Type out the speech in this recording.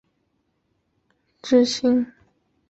利号在第二次世界大战共获得三枚战斗之星。